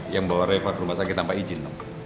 yang bawa reva ke rumah sakit tanpa izin